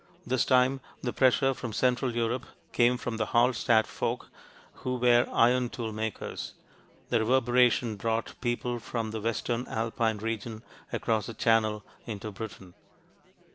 This time, the pressure from central Europe came from the Hallstatt folk who were iron tool makers: the reverberation brought people from the western Alpine region across the Channel into Britain.